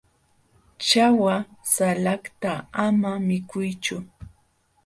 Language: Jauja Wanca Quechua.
ćhawa salakta ama mikuychu.